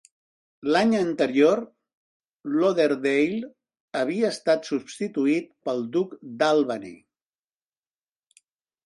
L'any anterior, Lauderdale havia estat substituït pel duc d'Albany.